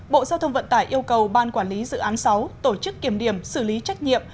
bộ giao thông vận tải yêu cầu ban quản lý dự án sáu tổ chức kiểm điểm xử lý trách nhiệm